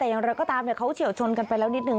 แต่ยังเราก็ตามเนี่ยเขาเฉียวชนกันไปแล้วนิดหนึ่ง